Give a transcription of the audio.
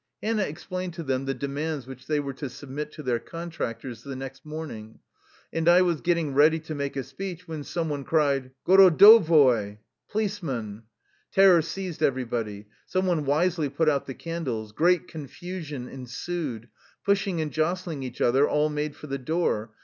Hannah explained to them the demands which they were to submit to their contractors the next morning, and I was getting ready to make a speech, when some one cried, " Gorodo voi!"^ Terror seized everybody. Some one wisely put out the candles. Great confusion en sued. Pushing and jostling each other; all made for the door.